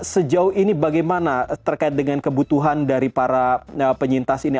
sejauh ini bagaimana terkait dengan kebutuhan dari para penyintas ini